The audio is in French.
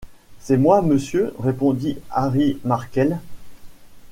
C’est moi, monsieur », répondit Harry Markel.